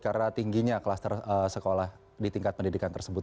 karena tingginya kluster sekolah di tingkat pendidikan tersebut